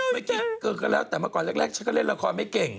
เมื่อกี้เกิดก็แล้วแต่เมื่อก่อนแรกฉันก็เล่นละครไม่เก่ง